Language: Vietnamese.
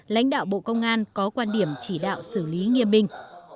lãnh đạo bộ công an có quan điểm chỉ đạo xử lý nghiêm minh